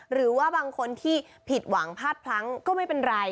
หรือว่าบางคนที่ผิดหวังพลาดพลั้งก็ไม่เป็นไร